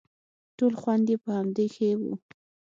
ټول خوند يې په همدې کښې و.